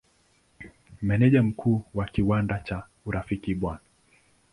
Meneja Mkuu wa kiwanda cha Urafiki Bw.